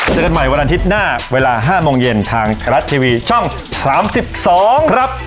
เจอกันใหม่วันอาทิตย์หน้าเวลา๕โมงเย็นทางไทยรัฐทีวีช่อง๓๒ครับ